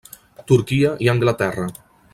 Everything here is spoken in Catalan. Turquia i Anglaterra.